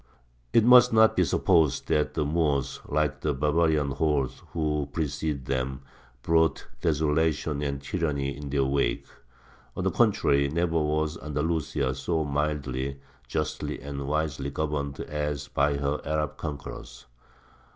It must not be supposed that the Moors, like the barbarian hordes who preceded them, brought desolation and tyranny in their wake. On the contrary, never was Andalusia so mildly, justly, and wisely governed as by her Arab conquerors.